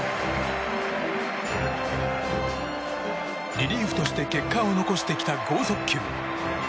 リリーフとして結果を残してきた豪速球。